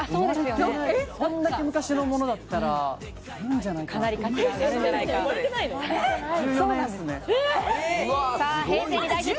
こんだけ昔のものだったら、するんじゃないかなと思って。